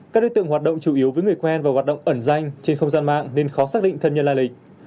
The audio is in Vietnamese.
các đối tượng hoạt động chủ yếu với người quen và hoạt động ẩn danh trên không gian mạng nên khó xác định thân nhân lai lịch